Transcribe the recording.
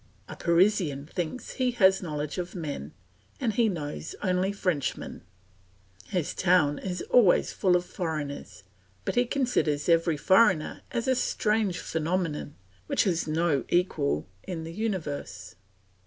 A Parisian thinks he has a knowledge of men and he knows only Frenchmen; his town is always full of foreigners, but he considers every foreigner as a strange phenomenon which has no equal in the universe.